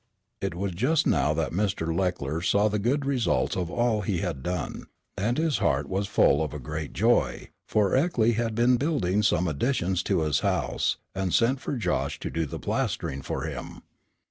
It was just now that Mr. Leckler saw the good results of all he had done, and his heart was full of a great joy, for Eckley had been building some additions to his house, and sent for Josh to do the plastering for him.